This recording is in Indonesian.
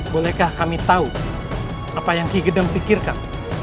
bolehkah kami tahu apa yang kigeneng pikirkan